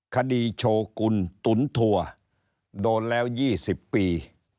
คดีโชว์กุลตุ๋นทัวร์โดนแล้ว๒๐ปี